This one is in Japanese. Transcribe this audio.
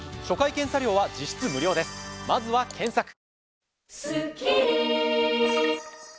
初回検査料は実質無料ですまずは検索。